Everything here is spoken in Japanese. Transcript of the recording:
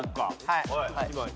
はい。